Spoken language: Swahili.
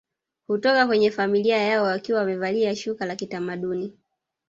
Hutoka kwenye familia yao wakiwa wamevalia shuka la kitamaduni